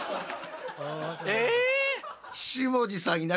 え！